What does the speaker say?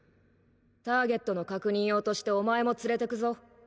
ターゲットの確認用としておまえも連れてくぞ。